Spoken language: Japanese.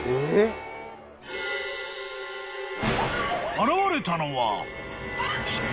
［現れたのは］